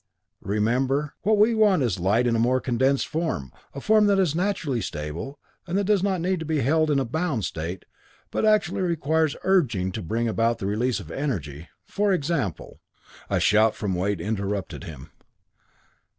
"Remember what we want is light in a more condensed form, a form that is naturally stable, and that does not need to be held in a bound state, but actually requires urging to bring about the release of energy. For example " A shout from Wade interrupted him.